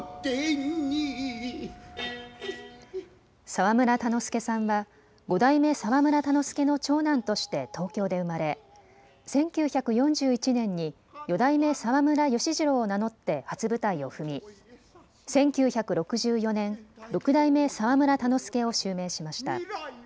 澤村田之助さんは五代目澤村田之助の長男として東京で生まれ１９４１年に四代目澤村由次郎を名乗って初舞台を踏み１９６４年、六代目澤村田之助を襲名しました。